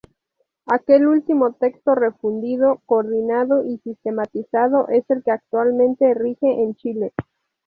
Aquel último texto refundido, coordinado y sistematizado es el que actualmente rige en Chile.